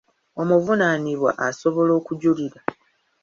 Omuvunaanibwa asobola okujulira.